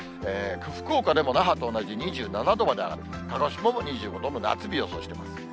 福岡でも那覇と同じ２７度まで上がる、鹿児島も２５度の夏日を予想しています。